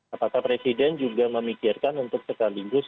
apakah presiden juga memikirkan untuk sekaligus